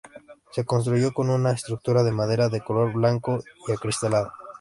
Se construyó con una estructura de madera de color blanco y acristalada.